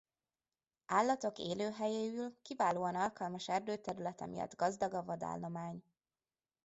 Állatok élőhelyéül kiválóan alkalmas erdőterülete miatt gazdag a vadállomány.